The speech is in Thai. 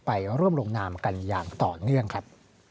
ไปร่วมลงนามกันอย่างต่อเนื่องครับ